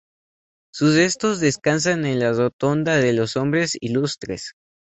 Sus restos descansan en la Rotonda de los Hombres Ilustres.